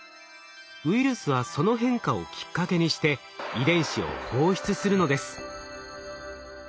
ウイルスはその変化をきっかけにして遺伝子を放出するのです。